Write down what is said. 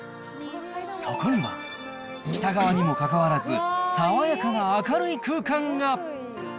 そこには、北側にもかかわらず、爽やかな明るい空間が。